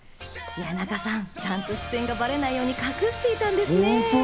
谷中さん、ちゃんと出演がバレないように隠していたんですね。